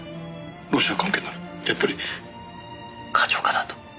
「ロシア関係ならやっぱり課長かなと」